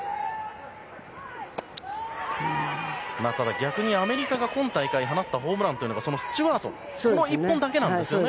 逆にアメリカが今大会放ったホームランというのはそのスチュワートの１本だけなんですね。